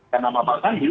dan nama pak sandi